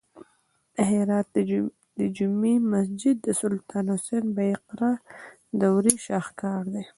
د هرات د جمعې مسجد د سلطان حسین بایقرا دورې شاهکار دی